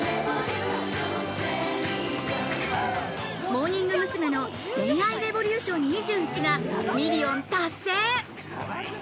モーニング娘。の『恋愛レボリューション２１』がミリオン達成。